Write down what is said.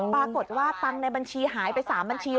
ปรากฏว่าตังค์ในบัญชีหายไป๓บัญชี